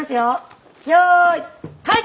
はい。